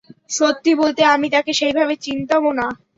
সত্যি বলতে, আমি তাকে সেইভাবে চিনতামও না।